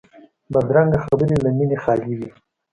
بدرنګه خبرې له مینې خالي وي